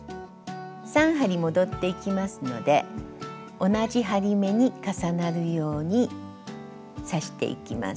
３針戻っていきますので同じ針目に重なるように刺していきます。